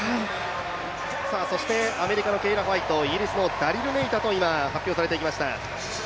そしてアメリカのケイラ・ホワイトイギリスのダリル・ネイタと今、発表されていきました。